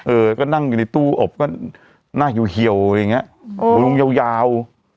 เออก็นั่งอยู่ในตู้อบก็หน้าเหี่ยวอะไรอย่างเงี้ยลุงยาวยาว